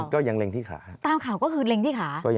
ก็ยังเร็งที่ขา